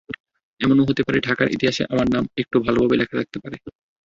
এমনও হতে পারে, ঢাকার ইতিহাসে আমার নাম একটু ভালোভাবে লেখা থাকতে পারে।